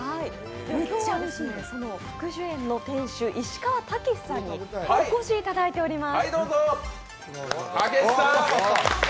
今日は福寿苑の店主の石川剛さんにお越しいただいています。